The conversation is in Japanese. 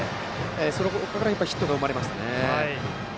そこからヒットが生まれましたね。